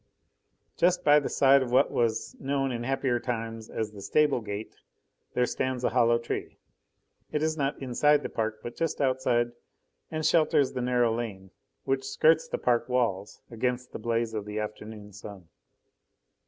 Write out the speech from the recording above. Just by the side of what was known in happier times as the stable gate there stands a hollow tree. It is not inside the park, but just outside, and shelters the narrow lane, which skirts the park walls, against the blaze of the afternoon sun.